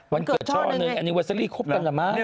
วันเกิดช่อนึงอันนี้เวอร์เซอรี่คบกันนะมาก